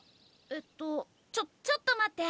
えっとちょちょっと待って。